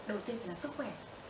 đầu tiên là sức khỏe